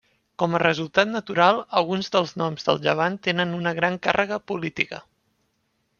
Com a resultat natural, alguns dels noms del Llevant tenen una gran càrrega política.